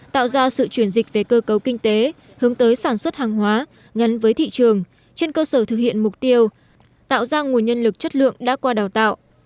tạo ra sự chuyển dịch về cơ cấu kinh tế hướng tới sản xuất hàng hóa gắn với thị trường trên cơ sở thực hiện mục tiêu tạo ra nguồn nhân lực chất lượng đã qua đào tạo